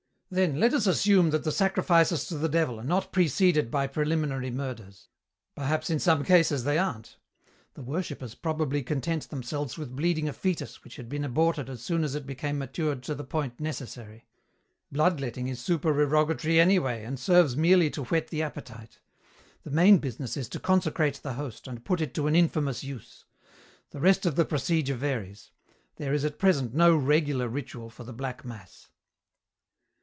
"Then, let us assume that the sacrifices to the Devil are not preceded by preliminary murders. Perhaps in some cases they aren't. The worshippers probably content themselves with bleeding a foetus which had been aborted as soon as it became matured to the point necessary. Bloodletting is supererogatory anyway, and serves merely to whet the appetite. The main business is to consecrate the host and put it to an infamous use. The rest of the procedure varies. There is at present no regular ritual for the black mass."